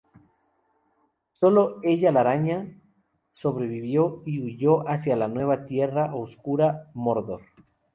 Sólo Ella-Laraña sobrevivió y huyó hacia la nueva tierra oscura, Mordor.